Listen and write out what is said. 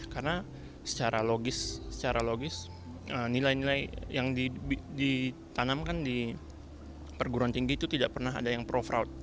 karena secara logis nilai nilai yang ditanamkan di perguruan tinggi itu tidak pernah ada yang pro fraud